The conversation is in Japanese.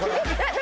何？